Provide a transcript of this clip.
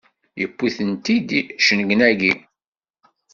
Yewwi-tent-id cennegnagi!